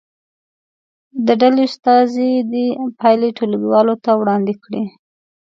د ډلې استازي دې پایلې ټولګي والو ته وړاندې کړي.